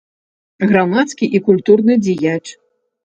Грамадскі і культурны дзеяч.